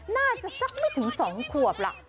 น่าจะสักไม่ถึง๒ขวบล่ะ